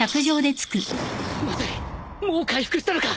まずいもう回復したのか！